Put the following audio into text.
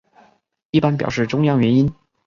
一般表示中央元音。